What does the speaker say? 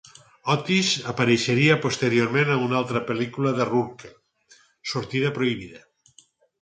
Otis apareixeria posteriorment a una altra pel·lícula de Rourke, "Sortida prohibida".